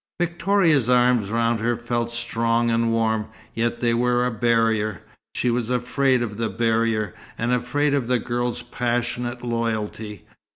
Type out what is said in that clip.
Victoria's arms round her felt strong and warm, yet they were a barrier. She was afraid of the barrier, and afraid of the girl's passionate loyalty.